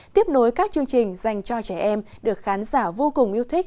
tiếp nối các chương trình dành cho trẻ em được khán giả vô cùng yêu thích